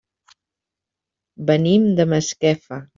Venim de Masquefa.